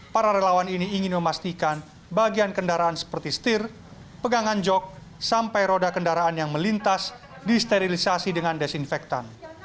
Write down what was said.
para relawan ini ingin memastikan bagian kendaraan seperti setir pegangan jok sampai roda kendaraan yang melintas disterilisasi dengan desinfektan